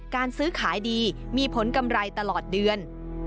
การซื้อขายดีมีผลกำไรตลอดเดือน